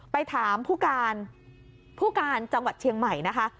ไปถามผู้การผู้การจังหวัดเชียงใหม่นะคะ